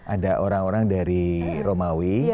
ada orang orang dari romawi